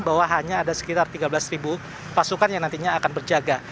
bahwa hanya ada sekitar tiga belas pasukan yang nantinya akan berjaga